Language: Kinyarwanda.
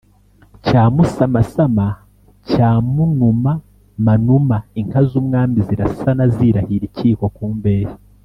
Cyamusamasama cyamunumanuma inka z'umwami zirasana zirahira-Ikiyiko ku mbehe.